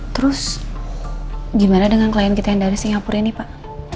terus gimana dengan klien kita yang dari singapura ini pak